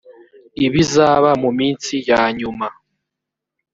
ibizaba mu minsi ya nyuma